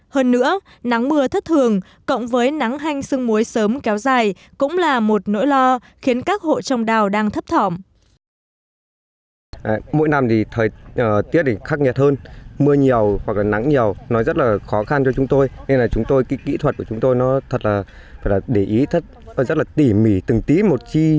hơn nữa nắng mưa thất thường cộng với nắng hanh sưng muối sớm kéo dài cũng là một nỗi lo khiến các hộ trồng đào đang thấp thỏm